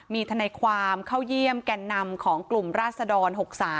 มีทนายความเข้าเยี่ยมแก่นำของกลุ่มราศดร๖๓